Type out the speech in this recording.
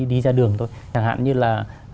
đi ra đường thôi chẳng hạn như là